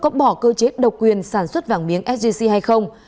có bỏ cơ chế độc quyền sản xuất vàng miếng sgc hay không